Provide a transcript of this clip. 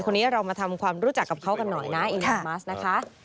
เรามาทำความรู้จักกับเขากันหน่อยนะอินโดนีมัสนะคะ